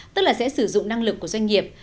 tức là sẽ sử dụng năng lực của doanh nghiệp